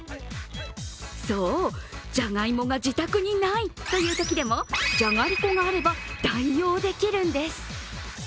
そう、じゃがいもが自宅にない！という時でもじゃがりこがあれば代用できるんです。